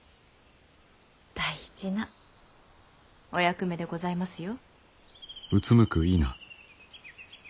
大事なお役目でございますよ。